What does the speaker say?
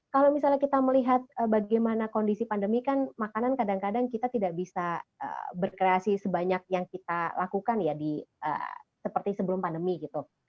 kalau misalnya kita melihat bagaimana kondisi pandemi kan makanan kadang kadang kita tidak bisa berkreasi sebanyak yang kita lakukan ya seperti sebelum pandemi gitu